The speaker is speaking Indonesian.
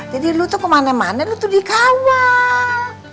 jadi lu tuh kemana mana lu tuh dikawal